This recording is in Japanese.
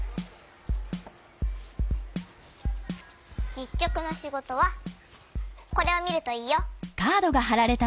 にっちょくのしごとはこれをみるといいよ。